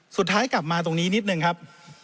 สุดท้ายกลับมาตรงนี้นิดนึงครับ